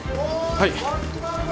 はい。